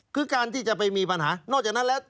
คือการที่จะไปมีปัญหานอกจากนั้นแล้ว